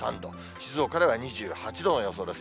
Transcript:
静岡では２８度の予想です。